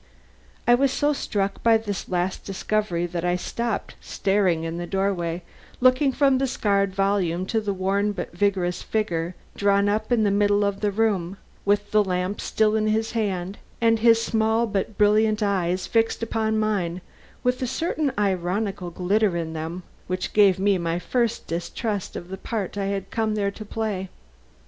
I was so struck by this last discovery that I stopped, staring, in the doorway, looking from the sacred volume to his worn but vigorous figure drawn up in the middle of the room, with the lamp still in his hand and his small but brilliant eyes fixed upon mine with a certain ironical glitter in them, which gave me my first distrust of the part I had come there to play.